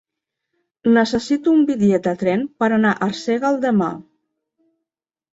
Necessito un bitllet de tren per anar a Arsèguel demà.